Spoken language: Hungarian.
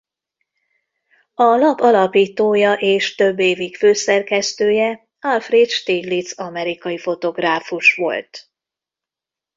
A lap alapítója és több évig főszerkesztője Alfred Stieglitz amerikai fotográfus volt.